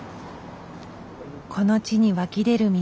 この地に湧き出る水。